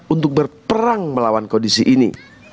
untuk berperang melawan kondisi ini